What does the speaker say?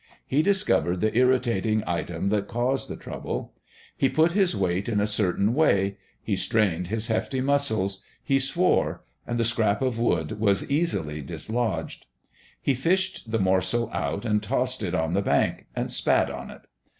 He discovered the irritating item that caused the trouble. He put his weight in a certain way; he strained his hefty muscles; he swore and the scrap of wood was easily dislodged. He fished the morsel out, and tossed it on the bank, and spat on it.